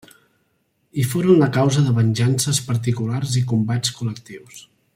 I foren la causa de venjances particulars i combats col·lectius.